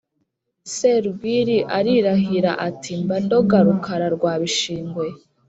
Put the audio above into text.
serwili arirahira ati:mba ndoga rukara rwa bishingwe